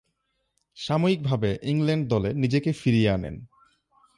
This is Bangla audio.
সাময়িকভাবে ইংল্যান্ড দলে নিজেকে ফিরিয়ে আনেন।